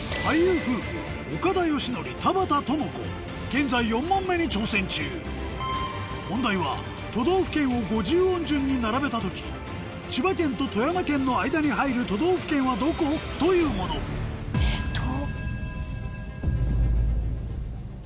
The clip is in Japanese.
現在４問目に挑戦中問題は都道府県を五十音順に並べた時千葉県と富山県の間に入る都道府県はどこ？というものえっと？